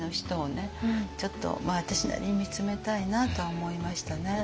ちょっと私なりに見つめたいなと思いましたね。